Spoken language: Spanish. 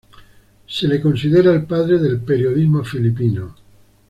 Se le considera el padre del periodismo filipino.